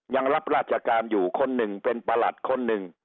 ยังรับราชการอยู่คนหนึ่งเป็นประหลัดคนหนึ่ง